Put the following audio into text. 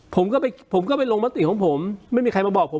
ผมก็ไปลงประติของผมไม่มีใครมาบอกผม